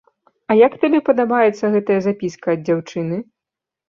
А як табе падабаецца гэтая запіска ад дзяўчыны?